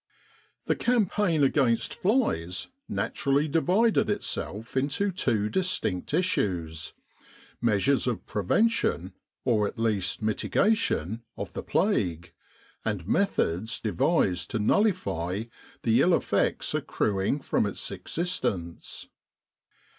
The campaign against flies naturally divided itself into two distinct issues measures of prevention, or at least mitigation, of the plague; and methods de vised to nullify the ill effects accruing from its existence.